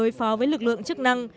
đối phó với lực lượng chức năng